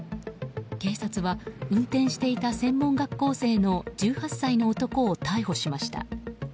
警察は運転していた専門学校生の１８歳の男を逮捕しました。